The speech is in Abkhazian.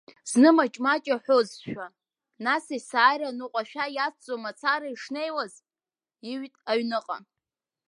Зны маҷмаҷ иҳәазошәа, нас есааира аныҟәашәа иацҵо мацара ишнеиуаз, иҩт аҩныҟа!